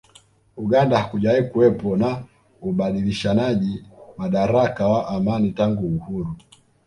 Uganda hakujawahi kuwepo na ubadilishanaji madaraka wa amani tangu uhuru